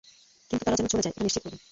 কিন্তু তারা যেন চলে যায়, এটা নিশ্চিত করবি।